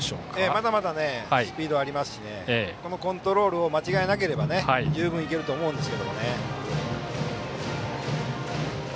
まだまだスピードありますしコントロールを間違えなければ十分いけると思います。